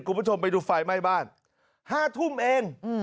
คุณผู้ชมไปดูไฟไหม้บ้าน๕ทุ่มเอง